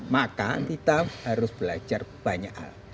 maka kita harus belajar banyak hal